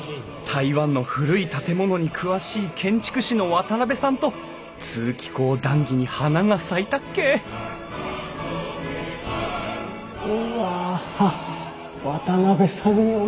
台湾の古い建物に詳しい建築士の渡邉さんと通気口談議に花が咲いたっけうわ渡邉さんに教えてあげたい！